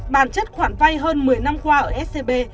bản chất khoản vay hơn một mươi năm qua ở scb